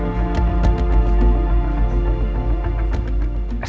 tapi siapa yang mengatakan